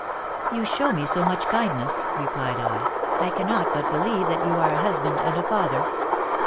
"You show me so much kindness," replied I, "I cannot but believe that you are a husband and a father."